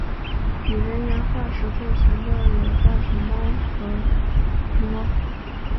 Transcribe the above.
与人牙化石共存的有大熊猫和貘。